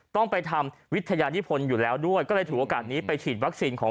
ต้องไปทำวิทยานิพลอยู่แล้วด้วยก็เลยถือโอกาสนี้ไปฉีดวัคซีนของ